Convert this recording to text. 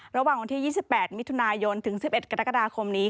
ระหว่างวันที่๒๘มิถุนายนถึง๑๑กรกฎาคมนี้